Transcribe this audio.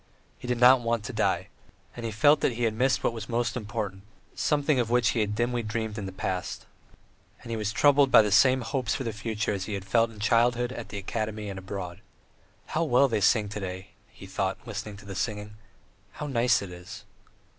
He did not want to die; and he still felt that he had missed what was most important, something of which he had dimly dreamed in the past; and he was troubled by the same hopes for the future as he had felt in childhood, at the academy and abroad. "How well they sing to day!" he thought, listening to the singing. "How nice it is!"